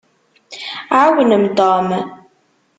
Ɛawnem Tom.